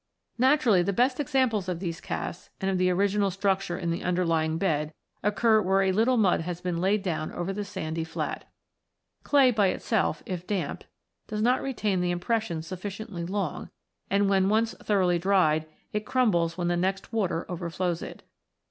Naturally, the best examples of these casts, and of the original structure in the underlying bed, occur where a little mud has been laid down over the sandy flat. Clay by itself, if damp, does not retain the im pressions sufficiently long, and, when once thoroughly dried, it crumbles when the next water overflows it.